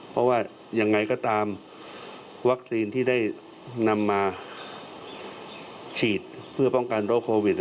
เพราะว่ายังไงก็ตามวัคซีนที่ได้นำมาฉีดเพื่อป้องกันโรคโควิด